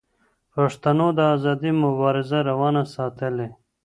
پښتنو د آزادۍ مبارزه روانه ساتلې.